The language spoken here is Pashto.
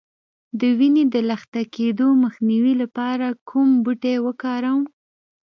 د وینې د لخته کیدو مخنیوي لپاره کوم بوټی وکاروم؟